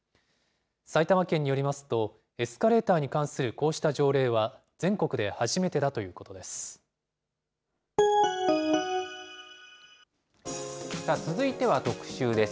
埼玉県によりますと、エスカレーターに関するこうした条例は、全国で初めてだというこさあ、続いては特集です。